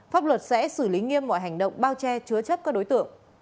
pháp luật sẽ xử lý nghiêm mọi hành động bao che chứa chấp các đối tượng